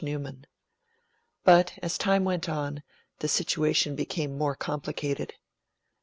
Newman'. But, as time went on, the situation became more complicated.